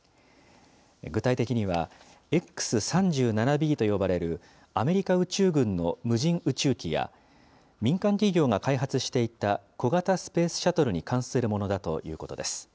具体的には、Ｘ３７Ｂと呼ばれるアメリカ宇宙軍の無人宇宙機や、民間企業が開発していた小型スペースシャトルに関するものだということです。